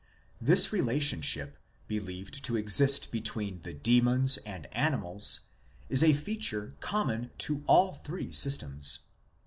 7 This relationship believed to exist between the demons and animals is a feature common to all three systems.